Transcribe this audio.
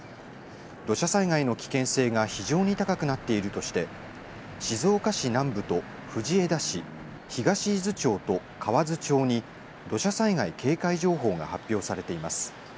土砂災害の危険性が非常に高くなっているとして静岡市南部と藤枝市、東伊豆町と河津町に土砂災害警戒情報が発表されています。